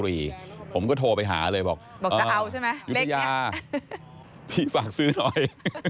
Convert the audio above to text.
มีความว่ายังไง